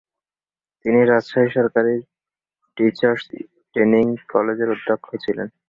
তিনি রাজশাহী সরকারি teachers training কলেজের অধ্যক্ষ ছিলেন।